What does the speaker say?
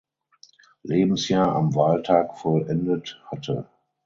Lebensjahr am Wahltag vollendet hatte.